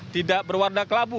tidak berwarna kelabu